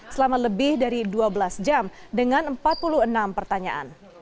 selama lebih dari dua belas jam dengan empat puluh enam pertanyaan